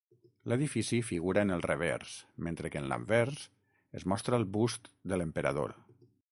L'edifici figura en el revers mentre que en l'anvers es mostra el bust de l'emperador.